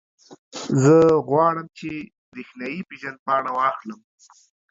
زه غواړم، چې برېښنایي پېژندپاڼه واخلم.